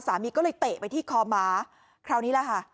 สามีก็เลยเตะไปที่คอหมาคราวนี้แหละค่ะ